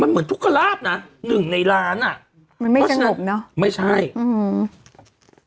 มันเหมือนทุกกระลาฟน่ะหนึ่งในล้านอ่ะมันไม่สนุกเนอะไม่ใช่อืม